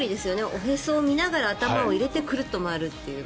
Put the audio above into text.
おへそを見ながら頭を入れてクルッと回るっていう。